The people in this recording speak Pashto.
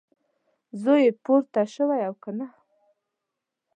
زوی یې راپورته شوی او که نه؟